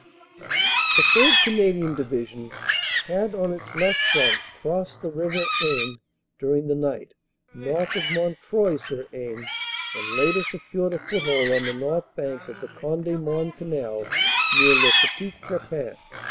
"The 3rd. Canadian Division had on its left front crossed the River Haine during the night, north of Montreuil sur Haine, and later secured a further hold on the north bank of the Conde Mons Canal near Le Petit Crepin.